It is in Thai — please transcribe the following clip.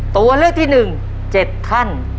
ตัวเลือกที่หนึ่ง๗ขั้น